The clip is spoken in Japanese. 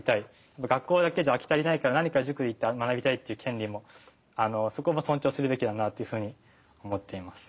学校だけじゃ飽き足りないから何か塾に行って学びたいっていう権利もそこも尊重するべきだなというふうに思っています。